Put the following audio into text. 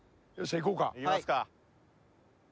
いきますか。